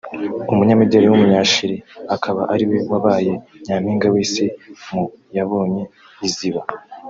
umunyamideli w’umunya-Chili akaba ariwe wabaye nyampinga w’isi mu yabonye iziba